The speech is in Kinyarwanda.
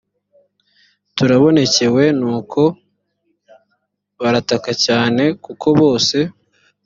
turabonekewe nuko barataka cyane kuko bose